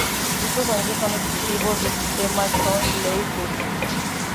Estos sonidos son exclusivos del sistema Choy Lee Fut.